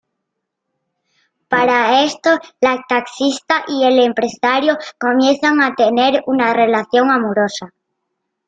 Para esto, la taxista y el empresario comienzan a tener una relación amorosa.